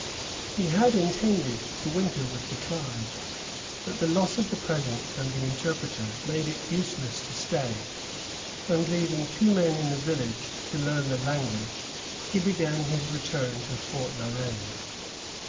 He had intended to winter with the tribe; but the loss of the presents and the interpreter made it useless to stay, and leaving two men in the village to learn the language, he began his return to Fort La Reine.